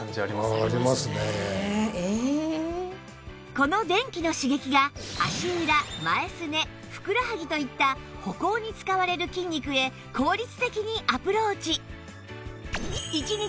この電気の刺激が足裏前すねふくらはぎといった歩行に使われる筋肉へ効率的にアプローチ